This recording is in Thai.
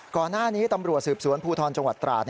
ก่อนหน้านี้ตำรวจสืบสวนภูทรจังหวัดตราด